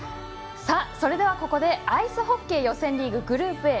それではここでアイスホッケー、予選リーググループＡ